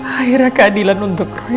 akhirnya keadilan untuk roy